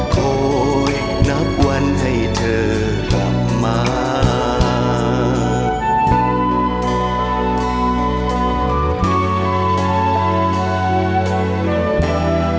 คอยนับวันให้เธอกลับมา